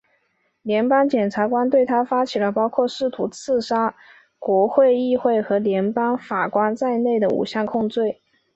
联邦检察官对他发起了包括试图刺杀国会议员和联邦法官在内的五项控罪。